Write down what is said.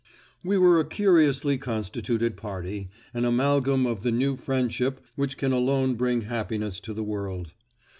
We were a curiously constituted party—an amalgam of the new friendship which can alone bring happiness to the world.